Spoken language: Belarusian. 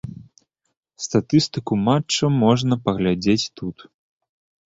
Статыстыку матча можна паглядзець тут.